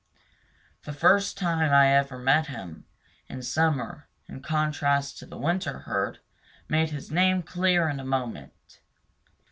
The first time I ever met him in summer, in strong contrast to the winter herd, made his name clear in a moment.